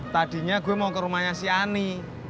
tadinya gue mau ke rumahnya si ani